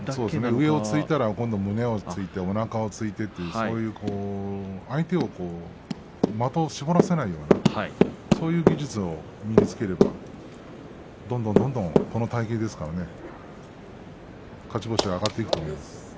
上を突いたら今度は胸を突いて今度はおなかを突いて相手に的を絞らせないようなそういう技術を身につければどんどんどんどんこの体形ですからね勝ち星は挙がっていくと思います。